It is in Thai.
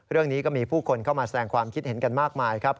เรื่องนี้ก็มีผู้คนเข้ามาแสดงความคิดเห็นกันมากมายครับ